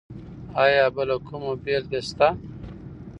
ایا بل کومه بېلګه شته؟